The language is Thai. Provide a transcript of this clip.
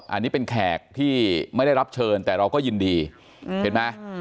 อันนี้เป็นแขกที่ไม่ได้รับเชิญแต่เราก็ยินดีเห็นไหม